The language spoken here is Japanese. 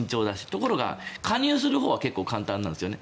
ところが加入するほうは結構、簡単なんですよね。